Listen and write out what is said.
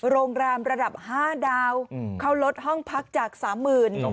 โรงแรมระดับ๕ดาวเขาลดห้องพักจากสามหมื่น